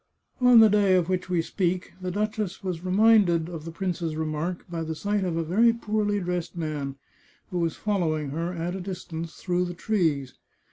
On the day of which we speak, the duchess was reminded of the prince's remark by the sight of a very poorly dressed man, who was following her, at a distance, through the trees.